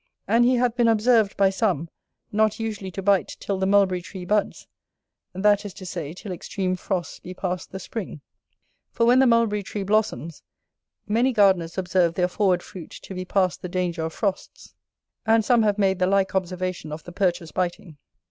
And he hath been observed, by some, not usually to bite till the mulberry tree buds; that is to say, till extreme frosts be past the spring; for, when the mulberry tree blossoms, many gardeners observe their forward fruit to be past the danger of frosts; and some have made the like observation of the Perch's biting.